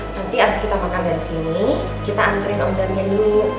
nanti abis kita makan disini kita anterin om damien dulu